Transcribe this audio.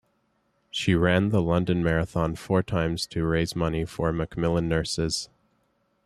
She ran the London Marathon four times to raise money for Macmillan Nurses.